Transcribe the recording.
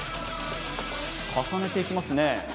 重ねていきますね。